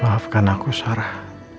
maafkan aku sarah